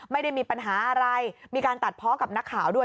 ไม่ได้มีปัญหาอะไรมีการตัดเพาะกับนักข่าวด้วย